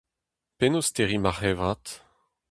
Penaos terriñ ma c'hevrat ?